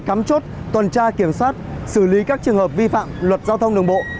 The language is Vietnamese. cắm chốt tuần tra kiểm soát xử lý các trường hợp vi phạm luật giao thông đường bộ